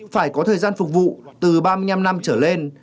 phải có thời gian phục vụ từ ba mươi năm năm trở lên